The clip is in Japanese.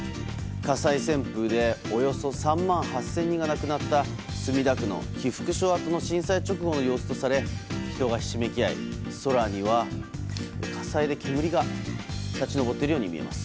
火災旋風でおよそ３万８０００人が亡くなった墨田区の被服廠跡の震災直後の様子とされ人がひしめき合い空には火災で煙が立ち上っているように見えます。